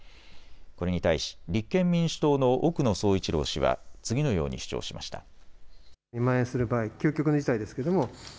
これに対し立憲民主党の奥野総一郎氏は次のように主張しました。